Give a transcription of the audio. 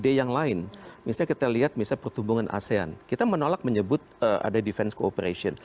di yang lain misalnya kita lihat misalnya pertumbuhan asean kita menolak menyebut ada defense cooperation